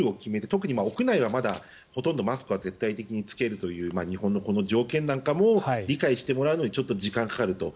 特に屋内はまだほとんどマスクは絶対的に着けるという日本のこの条件なんかも理解してもらうのにちょっと時間がかかると。